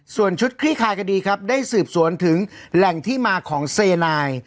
ส่วนชุดคลี่คลายคดีครับได้สืบสวนถึงแหล่งที่มาของเซนาย